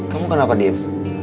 kamu kenapa diem